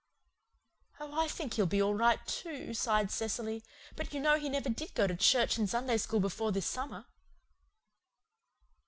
"Oh, I think he'll be all right, too," sighed Cecily, "but you know he never did go to church and Sunday School before this summer."